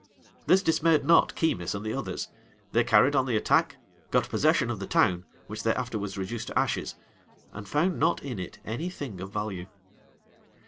This dismayed not Keymis and the others. They carried on the attack, got possession of the town, which they afterwards reduced to ashes; and found not in it any thing of value.